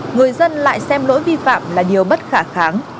người dân lại xem lỗi vi phạm là điều bất khả kháng